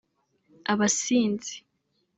Abasinzi